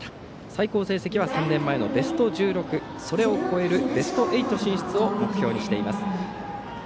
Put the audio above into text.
最高成績は３年前のベスト１６それを超えるベスト８進出を目標にしています。